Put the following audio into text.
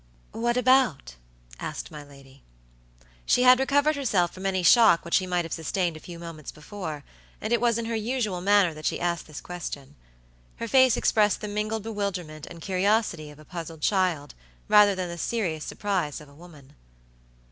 "What about?" asked my lady. She had recovered herself from any shock which she might have sustained a few moments before, and it was in her usual manner that she asked this question. Her face expressed the mingled bewilderment and curiosity of a puzzled child, rather than the serious surprise of a woman.